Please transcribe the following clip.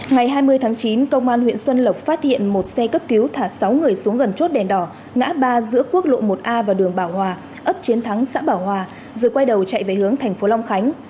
ngày hai mươi tháng chín công an huyện xuân lộc phát hiện một xe cấp cứu thả sáu người xuống gần chốt đèn đỏ ngã ba giữa quốc lộ một a và đường bảo hòa ấp chiến thắng xã bảo hòa rồi quay đầu chạy về hướng thành phố long khánh